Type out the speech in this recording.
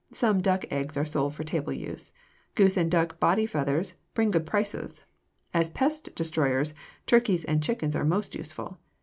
Some duck eggs are sold for table use. Goose and duck body feathers bring good prices. As pest destroyers turkeys and chickens are most useful.